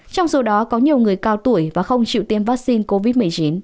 trong số đó có nhiều người cao tuổi và không chịu tiêm vaccine covid một mươi chín